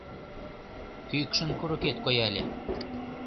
Кӱкшын курыкет кояле.